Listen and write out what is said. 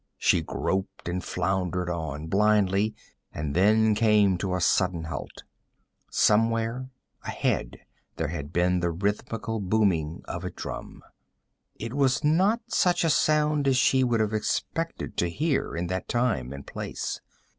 She groped and floundered on, blindly, and then came to a sudden halt. Somewhere ahead there began the rhythmical booming of a drum. It was not such a sound as she would have expected to hear in that time and place.